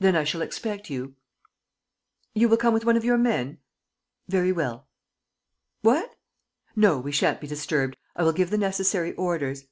Then I shall expect you. ... You will come with one of your men? Very well. ... What? No, we shan't be disturbed. ... I will give the necessary orders.